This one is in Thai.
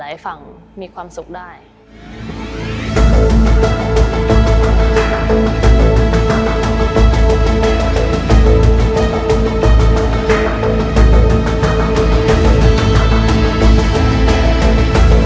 อเรนนี่แล้วอเรนนี่แล้วอเรนนี่แล้ว